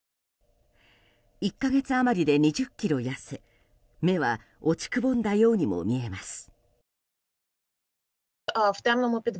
１か月余りで２０ｋｇ痩せ目は落ち窪んだようにも見えます。